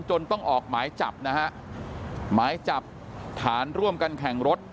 ต้องออกหมายจับนะฮะหมายจับฐานร่วมกันแข่งรถ